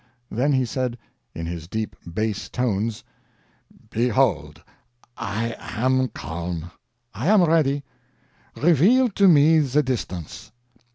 Then he said, in his deep bass tones: "Behold, I am calm, I am ready; reveal to me the distance."